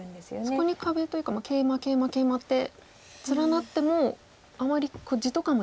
そこに壁というかケイマケイマケイマって連なってもあまり地とかもできないんですか。